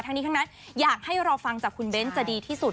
ทั้งนี้ทั้งนั้นอยากให้รอฟังจากคุณเบ้นจะดีที่สุด